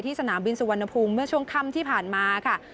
สนามบินสุวรรณภูมิเมื่อช่วงค่ำที่ผ่านมาค่ะ